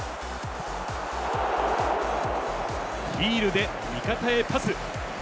ヒールで味方へパス。